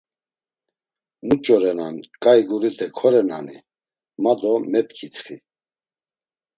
Muç̌o renan, ǩai gurite korenani? ma do mep̌ǩitxi.